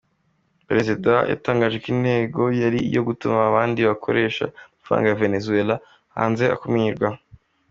Perezida yatangaje ko intego yari iyo gutuma amabandi akoresha amafaranga ya Venezuwela hanze akumirwa.